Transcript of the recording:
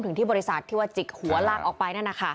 ที่บริษัทที่ว่าจิกหัวลากออกไปนั่นนะคะ